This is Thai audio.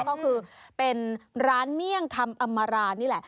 ก็คือเป็นร้านเมี่ยงคำอำมารานี่แหละ